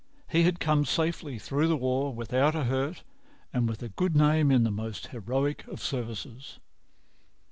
He had come safely through the war without a hurt, and with a good name in the most heroic of services.